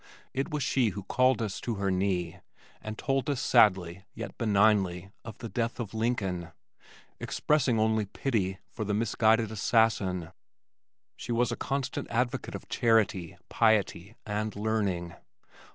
It was she who called us to her knee and told us sadly yet benignly of the death of Lincoln, expressing only pity for the misguided assassin. She was a constant advocate of charity, piety, and learning.